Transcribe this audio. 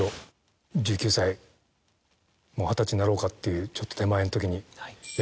もう二十歳になろうかっていうちょっと手前のときに。